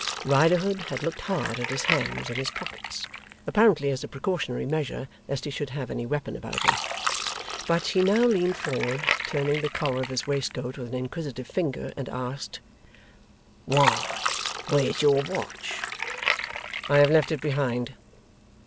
Riderhood had looked hard at his hands and his pockets, apparently as a precautionary measure lest he should have any weapon about him. But, he now leaned forward, turning the collar of his waistcoat with an inquisitive finger, and asked, 'Why, where's your watch?' 'I have left it behind.